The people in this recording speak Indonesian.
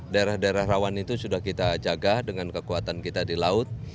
daerah daerah rawan itu sudah kita jaga dengan kekuatan kita di laut